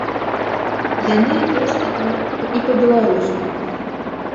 Яны ёсць і па-руску і па-беларуску.